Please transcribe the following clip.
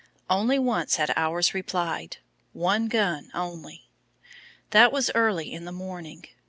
Only once had ours replied, one gun only. That was early in the morning.